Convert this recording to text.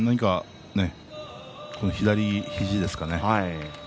この左肘ですかね。